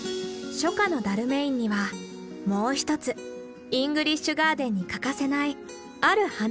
初夏のダルメインにはもう一つイングリッシュガーデンに欠かせないある花が見頃を迎える。